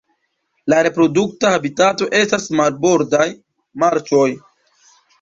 La reprodukta habitato estas marbordaj marĉoj.